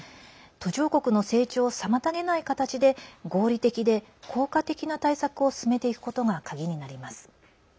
途上国の成長を妨げない形で合理的で効果的な対策を進めていくことが鍵になります。